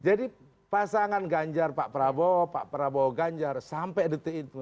jadi pasangan ganjar pak prabowo pak prabowo ganjar sampai detik itu